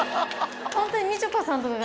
ホントにみちょぱさんとかが。